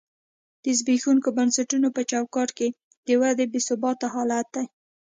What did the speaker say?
د زبېښونکو بنسټونو په چوکاټ کې د ودې بې ثباته حالت دی.